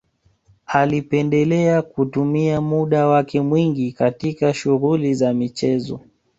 Alipendelea kutumia muda wake mwingi katika shughuli za michezo